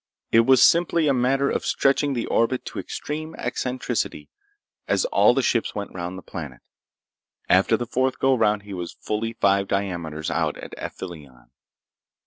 It was simply a matter of stretching the orbit to extreme eccentricity as all the ships went round the planet. After the fourth go round he was fully five diameters out at aphelion.